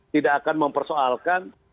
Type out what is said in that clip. tidak akan mempersoalkan